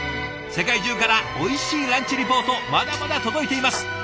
世界中からおいしいランチリポートまだまだ届いています。